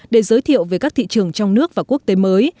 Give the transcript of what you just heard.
để giới thiệu về các thị trường trong nước và quốc tế mới